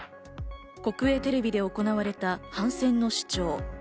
国営テレビで行われた反戦の主張。